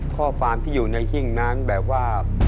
ข้อความที่อยู่ในหิ้งนั้นแบบว่า